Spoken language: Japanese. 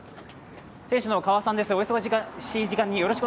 店主の川和さんです。